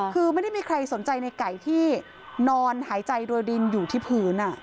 คือไม่ได้มีใครสนใจในไก่ที่นอนหายใจโรยดินอยู่ที่พื้น